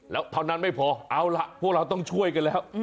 แล้วเท่านั้นไม่พอเอาล่ะพวกเราต้องช่วยกันแล้ว